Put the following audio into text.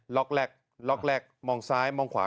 แรกล็อกแรกมองซ้ายมองขวา